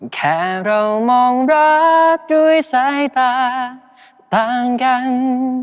แค่เรามองรักด้วยสายตาต่างกัน